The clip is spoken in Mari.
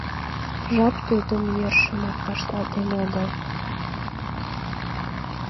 Жап тудым йӧршынак вашталтен огыл.